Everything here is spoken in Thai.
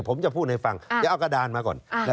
ผมจะพูดให้ฟังเดี๋ยวเอากระดานมาก่อน